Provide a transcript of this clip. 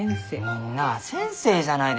みんなあ先生じゃないですか！